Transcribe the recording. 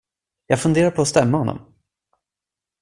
Jag funderar på att stämma honom.